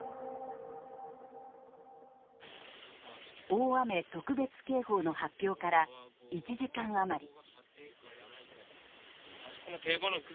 大雨特別警報の発表から１時間余り。